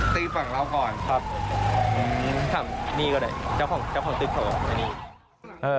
ตีฝั่งเราก่อนครับถามนี่ก็ได้เจ้าของเจ้าของตึกเขาอันนี้